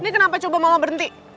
ini kenapa coba malah berhenti